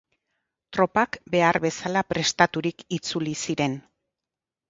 Tropak behar bezala prestaturik itzuli ziren.